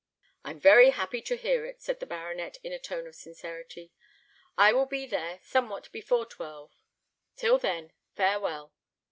"I am very happy to hear it," said the baronet, in a tone of sincerity. "I will be there somewhat before twelve; till then, farewell."